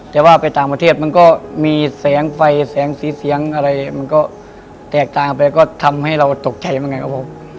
แต่ว่าไปต่างประเทศมันก็มีแสงไฟแสงสีเสียงอะไรมันก็แตกต่างไปก็ทำให้เราตกใจเหมือนกันครับผม